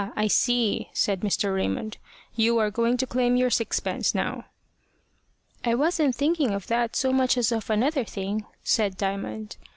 I see," said Mr. Raymond: "you are going to claim your sixpence now." "I wasn't thinking of that so much as of another thing," said Diamond.